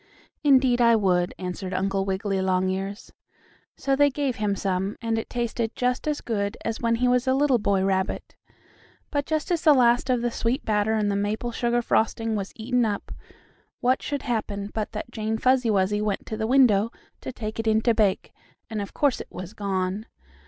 "Indeed I would," answered Uncle Wiggily Longears. So they gave him some, and it tasted just as good as when he was a little boy rabbit. But just as the last of the sweet batter and the maple sugar frosting was eaten up, what should happen but that Jane Fuzzy Wuzzy went to the window to take it in to bake, and of course it was gone.